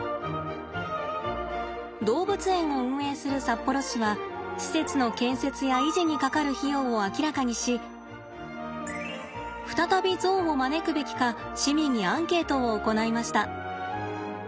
動物園を運営する札幌市は施設の建設や維持にかかる費用を明らかにし再びゾウを招くべきか市民にアンケートを行いました。